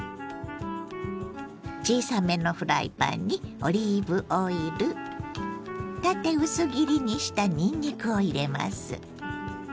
小さめのフライパンにオリーブオイル縦薄切りにしたにんにくを入れます。